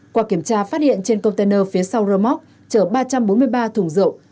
qua kiểm tra phát hiện trên container phía sau rơ móc chở ba trăm bốn mươi ba thùng rượu